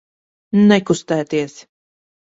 Nekustēties!